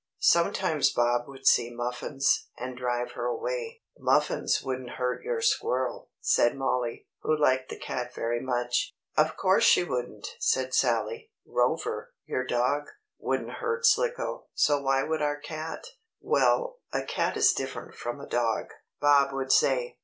Sometimes Bob would see Muffins, and drive her away. "Muffins wouldn't hurt your squirrel," said Mollie, who liked the cat very much. "Of course she wouldn't," said Sallie. "Rover, your dog, wouldn't hurt Slicko, so why would our cat?" "Well, a cat is different from a dog," Bob would say.